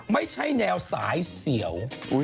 ไม่ใช่แนวสายเสียว